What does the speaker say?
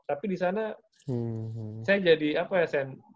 tapi di sana saya jadi apa ya sen